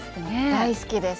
大好きです。